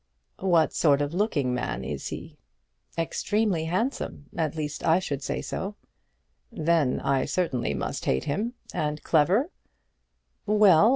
"What sort of looking man is he?" "Extremely handsome; at least I should say so." "Then I certainly must hate him. And clever?"